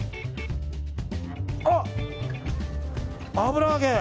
あ、油揚げ。